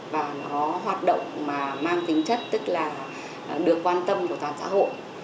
và nó hoạt động mà mang tính chất tức là được quan tâm của toàn xã hội